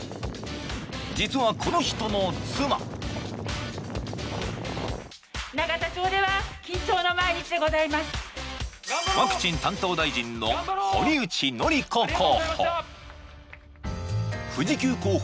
実はこの人の妻ワクチン担当大臣の堀内詔子候補。